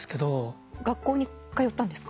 学校に通ったんですか？